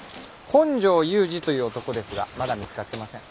本庄勇治という男ですがまだ見つかってません。